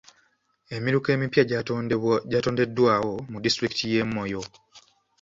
Emiruka emipya gyatondeddwawo mu disitulikiti y'e Moyo.